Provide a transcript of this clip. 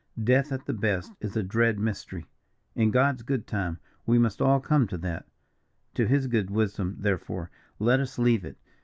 "Death, at the best, is a dread mystery. In God's good time, we must all come to that; to His good wisdom, therefore, let us leave it.